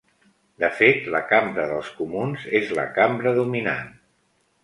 De fet, la Cambra dels Comuns és la cambra dominant.